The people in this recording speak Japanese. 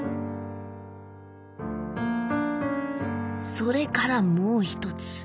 「それからもう一つ。